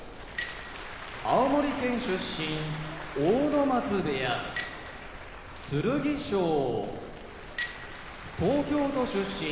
青森県出身阿武松部屋剣翔東京都出身